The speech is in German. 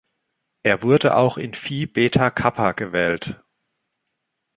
Er wurde auch in Phi Beta Kappa gewählt.